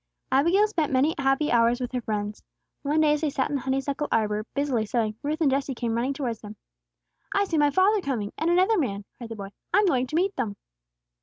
Abigail spent many happy hours with her friends. One day as they sat in the honeysuckle arbor, busily sewing, Ruth and Jesse came running towards them. "I see my father coming, and another man," cried the boy. "I'm going to meet them."